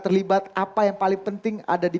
terlibat apa yang paling penting ada di